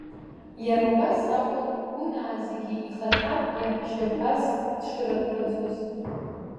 Иара убас акәын Гәынаа зегьы ихаҭа иаҳәшьаԥас дшырыԥхьаӡоз.